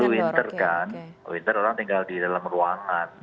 winter kan winter orang tinggal di dalam ruangan